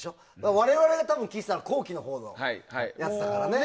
我々が聴いてたのは後期のやつだからね。